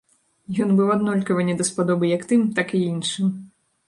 Ён быў аднолькава не даспадобы як тым, так і іншым.